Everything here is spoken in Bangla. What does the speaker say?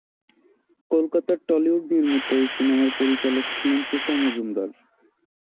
কলকাতার টলিউড নির্মিত এই সিনেমার পরিচালক ছিলেন তুষার মজুমদার।